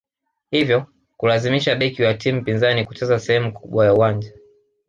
hivyo kulazimisha beki wa timu pinzani kucheza sehemu kubwa ya uwanja